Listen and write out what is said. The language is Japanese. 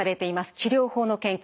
治療法の研究